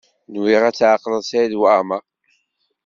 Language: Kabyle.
Nwiɣ ad tɛeqleḍ Saɛid Waɛmaṛ.